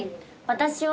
私は。